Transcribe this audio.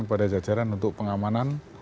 kepada jajaran untuk pengamanan